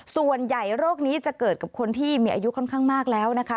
ส่วนใหญ่โรคนี้จะเกิดกับคนที่มีอายุค่อนข้างมากแล้วนะคะ